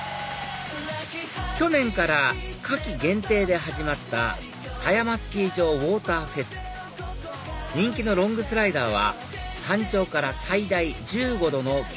去年から夏季限定で始まった狭山スキー場ウォーターフェス人気のロングスライダーは山頂から最大１５度の急斜面を一気に滑り降り